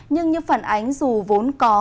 nhưng như phản ánh dù vốn có